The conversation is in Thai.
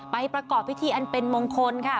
ประกอบพิธีอันเป็นมงคลค่ะ